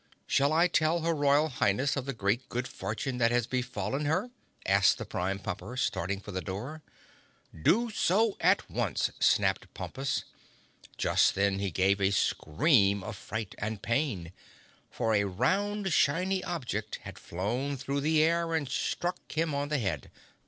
"Shall I tell her Royal Highness of the great good fortune that has befallen her?" asked the Prime Pumper, starting for the door. "Do so at once," snapped Pompus. Just then he gave a scream of fright and pain, for a round shiny object had flown through the air and struck him on the head.